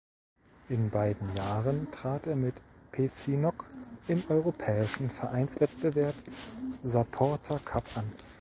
In beiden Jahren trat er mit Pezinok im europäischen Vereinswettbewerb Saporta Cup an.